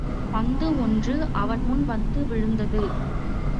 பந்து ஒன்று அவன் முன் வந்து விழுந்தது.